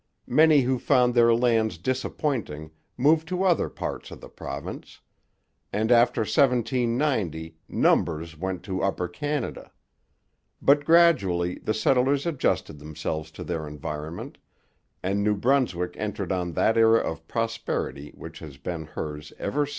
Many who found their lands disappointing moved to other parts of the province; and after 1790 numbers went to Upper Canada. But gradually the settlers adjusted themselves to their environment, and New Brunswick entered on that era of prosperity which has been hers ever since.